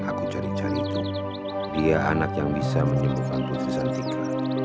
aku cari cari itu dia anak yang bisa menyembuhkan putusan tika